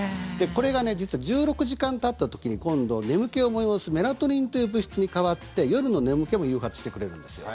これが実は１６時間たった時に今度、眠気を催すメラトニンという物質に変わって夜の眠気も誘発してくれるんですよ。